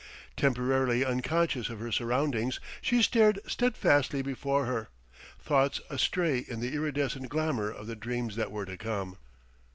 Temporarily unconscious of her surroundings she stared steadfastly before her, thoughts astray in the irridescent glamour of the dreams that were to come....